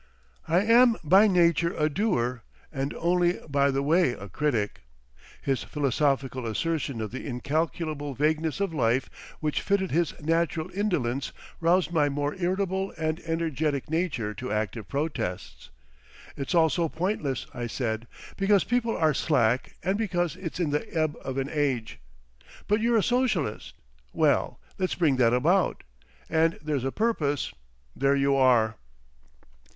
I am by nature a doer and only by the way a critic; his philosophical assertion of the incalculable vagueness of life which fitted his natural indolence roused my more irritable and energetic nature to active protests. "It's all so pointless," I said, "because people are slack and because it's in the ebb of an age. But you're a socialist. Well, let's bring that about! And there's a purpose. There you are!"